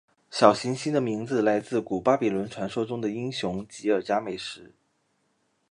小行星的名字来自古巴比伦传说中的英雄吉尔伽美什。